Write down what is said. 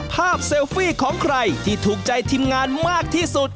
เซลฟี่ของใครที่ถูกใจทีมงานมากที่สุด